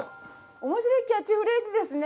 面白いキャッチフレーズですね。